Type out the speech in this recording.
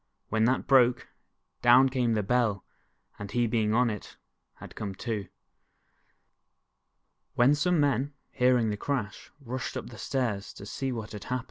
When that broke, down came the Bell, and he being on it. had to come too. When some men. hearing the crash, rushed up the stairs, to see what had hap 252 The Mouse's Revengre.